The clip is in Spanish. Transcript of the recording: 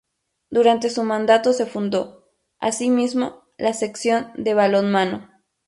Durante su mandato se fundó, así mismo, la sección de balonmano.